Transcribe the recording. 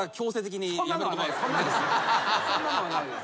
そんなのはないです。